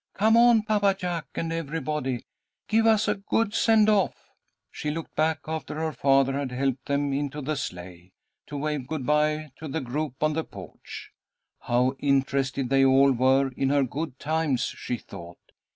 "Come on, Papa Jack and everybody. Give us a good send off." She looked back after her father had helped them into the sleigh, to wave good bye to the group on the porch. How interested they all were in her good times, she thought.